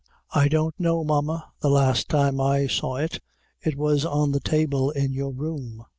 "I don't know, Mamma; the last time I saw it, it was on the table in your room."